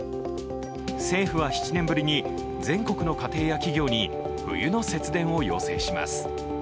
政府は７年ぶりに全国の家庭や企業に冬の節電を要請します。